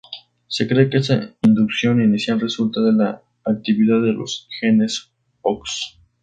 Se cree que esta inducción inicial resulta de la actividad de los genes Hox.